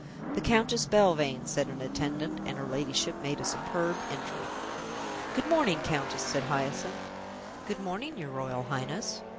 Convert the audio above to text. "The Countess Belvane," said an attendant, and her ladyship made a superb entry. "Good morning, Countess," said Hyacinth. "Good morning, your Royal Highness.